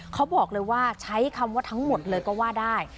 เขาบอกเลยว่าใช้คำว่าทั้งหมดเลยก็ว่าได้